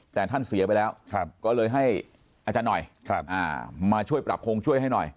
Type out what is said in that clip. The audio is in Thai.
แต่ท่านเสียไปแล้วก็เลยให้อาจารย์หน่อยมาช่วยปรับโครงช่วยให้หน่อย